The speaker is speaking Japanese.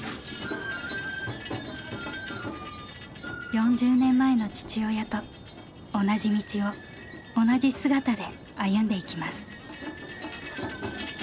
４０年前の父親と同じ道を同じ姿で歩んでいきます。